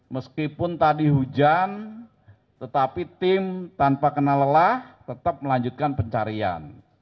meskipun tadi hujan tetapi tim tanpa kena lelah tetap melanjutkan pencarian